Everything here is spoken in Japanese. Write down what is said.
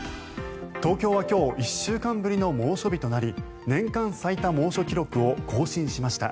東京は今日１週間ぶりの猛暑日となり年間最多猛暑記録を更新しました。